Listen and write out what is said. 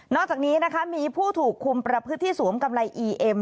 จากนี้นะคะมีผู้ถูกคุมประพฤติที่สวมกำไรอีเอ็ม